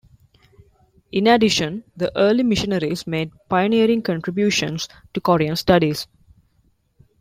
In addition, the early missionaries made pioneering contributions to Korean studies.